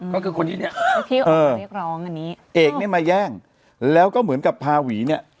ก็คือคนที่เนี้ยเอ๋กเนี้ยมาแย่งแล้วก็เหมือนกับพาหวีเนี้ย